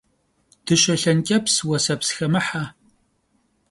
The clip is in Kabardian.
Dışe lhenç'eps, vueseps xemıhe.